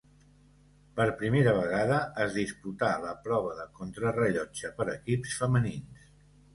Per primera vegada es disputà la prova de Contrarellotge per equips femenins.